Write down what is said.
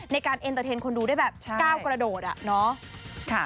ในการเอ็นเตอร์เทนคนดูได้แบบก้าวกระโดดอะเนาะ